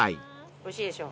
おいしいでしょ？